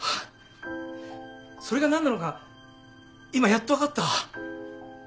それが何なのか今やっと分かった。